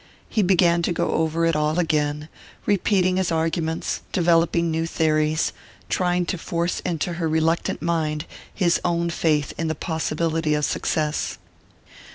He began to go over it all again repeating his arguments, developing new theories, trying to force into her reluctant mind his own faith in the possibility of success.